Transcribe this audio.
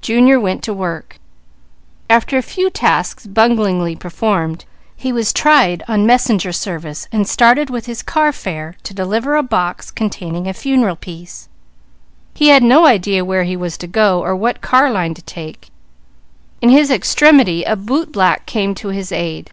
Junior went to work. After a few tasks bunglingly performed, he was tried on messenger service and started with his carfare to deliver a box containing a funeral piece. He had no idea where he was to go, or what car line to take. In his extremity a bootblack came to his aid.